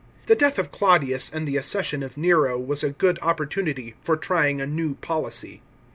The death of Claudius and the accession of Nero was a good opportunity for trying a new policy.